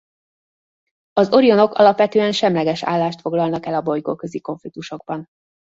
Az Orionok alapvetően semleges állást foglalnak el a bolygóközi konfliktusokban.